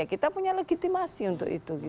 kita punya legitimasi untuk itu